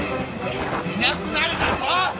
「いなくなれ」だと！？